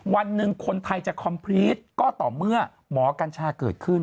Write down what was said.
วันหนึ่งคนไทยจะคอมพรีตก็ต่อเมื่อหมอกัญชาเกิดขึ้น